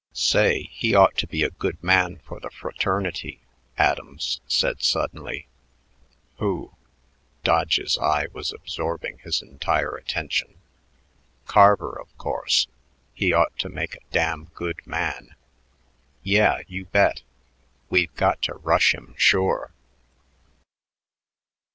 "Say, he ought to be a good man for the fraternity," Adams said suddenly. "Who?" Dodge's eye was absorbing his entire attention. "Carver, of course. He ought to make a damn good man." "Yeah you bet. We've got to rush him sure."